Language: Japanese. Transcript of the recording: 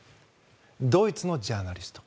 ドイツのジャーナリスト。